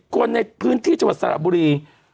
๑๐คนในพื้นที่จพสระบุรี